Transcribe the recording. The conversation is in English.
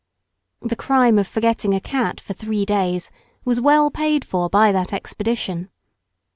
The crime of forgetting a cat for three days was well paid for by that expedition.